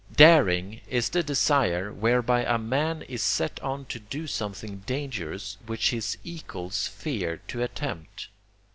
Daring is the desire, whereby a man is set on to do something dangerous which his equals fear to attempt.